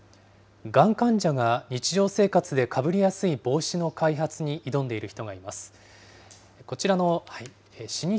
がん患者が日常生活でかぶりやすい帽子の開発に挑んでいる人がいます。